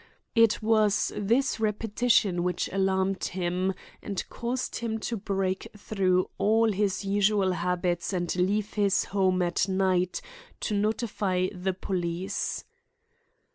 It was this repetition which alarmed him and caused him to break through all his usual habits and leave his home at night to notify the police.